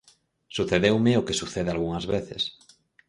Sucedeume o que sucede algunhas veces: